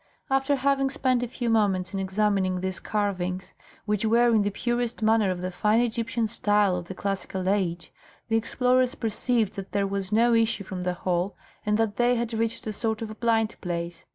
After having spent a few moments in examining these carvings, which were in the purest manner of the fine Egyptian style of the classical age, the explorers perceived that there was no issue from the hall, and that they had reached a sort of blind place.